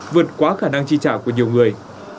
vượt quá khả năng chi trả của nhiều người